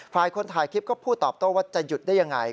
ฝ่ายคนถ่ายคลิปก็พูดตอบโต้ว่าจะหยุดได้ยังไง